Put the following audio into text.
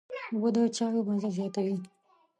اوبه د چايو مزه زیاتوي.